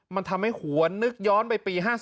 มันทำให้หัวนึกย้อนไปปี๕๔